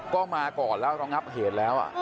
ก็มาก่อนแล้วระงับเหตุแล้ว